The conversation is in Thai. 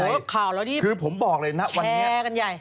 ข่าวแล้วที่แชร์กันใหญ่คือผมบอกเลยนะวันนี้